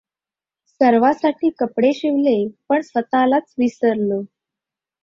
सर्वासाठी कपडे शिवले, पण स्वतःलाच विसरलो.